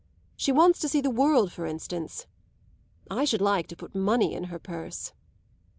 She wants to see the world for instance. I should like to put money in her purse."